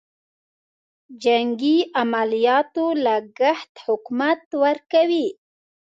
جنګي عملیاتو لګښت حکومت ورکوي.